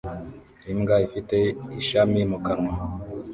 Imbwa ifite ishami mu kanwa